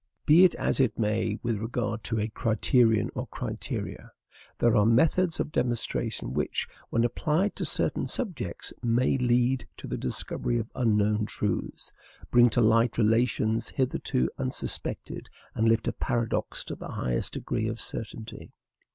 Be it as it may with regard to a criterion or criteria, there are methods of demonstration which, when applied to certain subjects, may lead to the discovery of unknown truths, bring to light relations hitherto unsuspected, and lift a paradox to the highest degree of certainty.